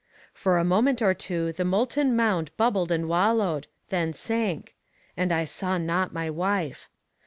For a moment or two the molten mound bubbled and wallowed, then sank and I saw not my wife.